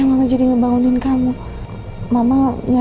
engak jauh baik lebih ya